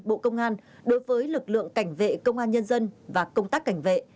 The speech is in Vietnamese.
bộ công an đối với lực lượng cảnh vệ công an nhân dân và công tác cảnh vệ